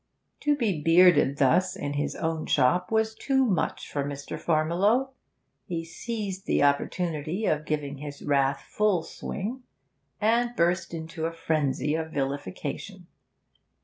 To be bearded thus in his own shop was too much for Mr. Farmiloe, he seized the opportunity of giving his wrath full swing, and burst into a frenzy of vilification.